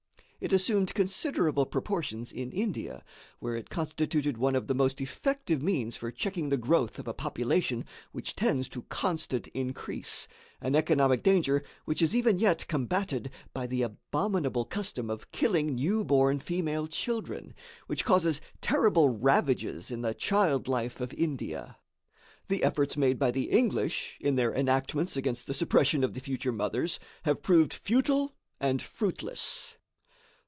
It assumed considerable proportions in India, where it constituted one of the most effective means for checking the growth of a population which tends to constant increase, an economic danger which is even yet combatted by the abominable custom of killing newborn female children, which causes terrible ravages in the child life of India. The efforts made by the English in their enactments against the suppression of the future mothers have proved futile and fruitless.